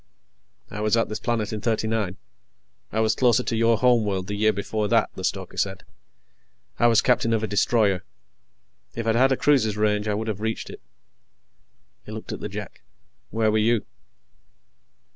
"I was at this planet in '39. I was closer to your home world the year before that," the stoker said. "I was captain of a destroyer. If I'd had a cruiser's range, I would have reached it." He looked at the Jek. "Where were you?"